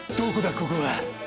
ここは。